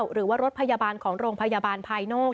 หรือว่ารถพยาบาลของโรงพยาบาลภายนอก